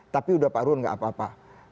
tapi udah pak ruhut nggak apa apa